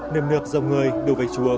niềm lượt dòng người đều về chùa